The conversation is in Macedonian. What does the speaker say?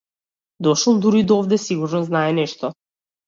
Дошол дури до овде сигурно знае нешто.